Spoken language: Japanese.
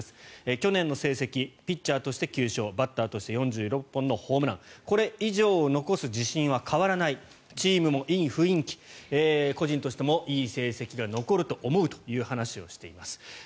去年の成績ピッチャーとして９勝バッターとして４６本のホームランこれ以上残す気持ちは変わらないチームもいい雰囲気個人としてもいい成績が残ると思うという話をしています。